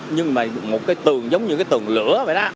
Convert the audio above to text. nhưng mà một cái tường giống như cái tường lửa